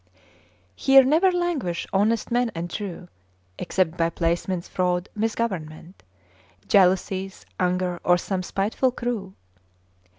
Here never languish honest men and true, Except by placemen's fraud, misgovernment, '' Jealousies, anger, or some spiteful crew.